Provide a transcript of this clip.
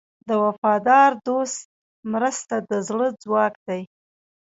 د وفادار دوست مرسته د زړه ځواک دی.